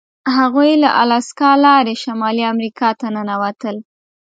هغوی له الاسکا لارې شمالي امریکا ته ننوتل.